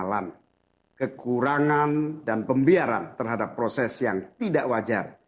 kesalahan kekurangan dan pembiaran terhadap proses yang tidak wajar